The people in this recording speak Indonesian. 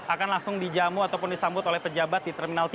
akan langsung dijamu ataupun disambut oleh pejabat di terminal tiga